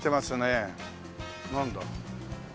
なんだろう？